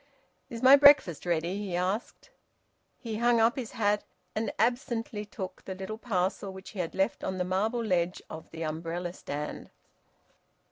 "Is my breakfast ready?" he asked. He hung up his hat, and absently took the little parcel which he had left on the marble ledge of the umbrella stand.